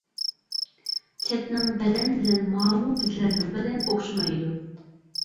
چەتنىڭ بەدەن بىلەن ماۋۇ بىزلەرنىڭ بەدەن ئوخشىمايدۇ.